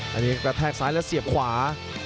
แฟดแทรคซ้ายแล้วเสียบขวา